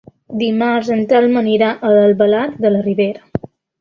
Dimarts en Telm anirà a Albalat de la Ribera.